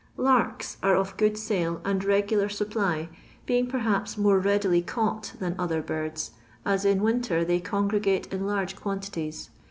Larks are of good sale and regular supply, being perhaps more readily caught than other birds, as in winter they congregate in large quantities.